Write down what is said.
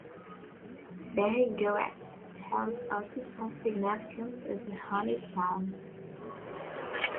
Bahiagrass has also some significance as a honey plant.